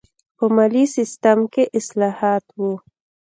په مالي سیستم کې اصلاحات و.